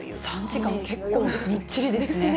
３時間、結構みっちりですね。